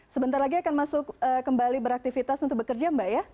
sebentar lagi akan masuk kembali beraktivitas untuk bekerja mbak ya